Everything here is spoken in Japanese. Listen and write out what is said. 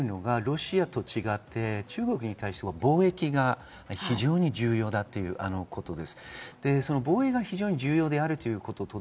日米で共通しているのがロシアと違って、中国に対して防衛が非常に重要だということです。